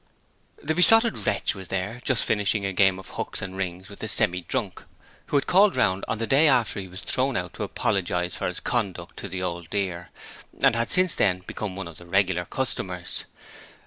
The Besotted Wretch was there, just finishing a game of hooks and rings with the Semi drunk who had called round on the day after he was thrown out, to apologize for his conduct to the Old Dear, and had since then become one of the regular customers.